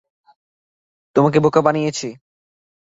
তোমাকে বোকা বানিয়েছে!